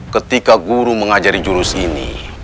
ketika guru mengajari jurus ini